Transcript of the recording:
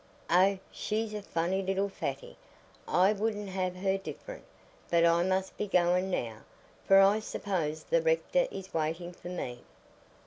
"Oh, she's a funny little fatty; I wouldn't have her different. But I must be going now, for I suppose the rector is waiting for me."